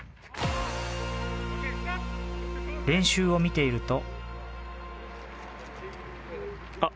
練習を見ていると。